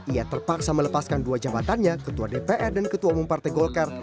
ia terpaksa melepaskan dua jabatannya ketua dpr dan ketua umum partai golkar